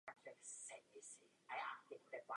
Neslyšel jsem jediné slovo z toho, co bylo řečeno.